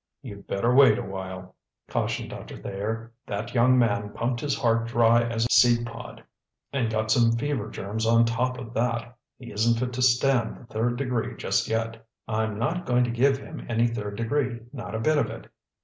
"You'd better wait a while," cautioned Doctor Thayer. "That young man pumped his heart dry as a seed pod, and got some fever germs on top of that. He isn't fit to stand the third degree just yet." "I'm not going to give him any third degree, not a bit of it.